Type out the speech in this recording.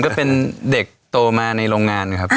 ก็เป็นเด็กโตมาในโรงงานครับ